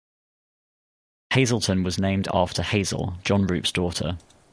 Hazelton was named after Hazel, John Roop's daughter.